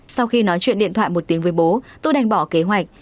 sau khi nói chuyện điện thoại một tiếng với bố tôi đành bỏ kế hoạch